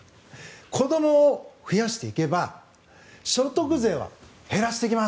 子どもを増やしていけば所得税は減らしていきます。